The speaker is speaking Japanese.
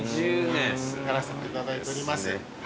６０年！やらせていただいております。